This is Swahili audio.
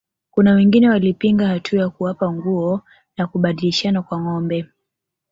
Kuna wengine walipinga hatua ya kuwapa nguo na kubadilishana kwa ngombe